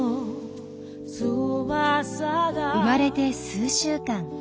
生まれて数週間。